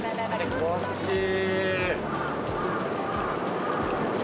気持ちいい。